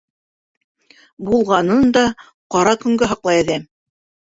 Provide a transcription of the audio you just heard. Булғанын да ҡара көнгә һаҡлай әҙәм.